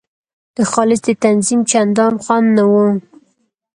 د خالص د تنظیم چندان خوند نه وو.